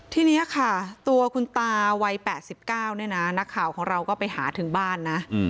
ทีนี้ค่ะตัวคุณตาวัย๘๙เนี่ยนะนักข่าวของเราก็ไปหาถึงบ้านนะ